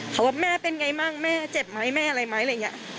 เขาว่าแม่เป็นไงบ้างแม่เจ็บไหมแม่อะไรไหมอะไรอย่างนี้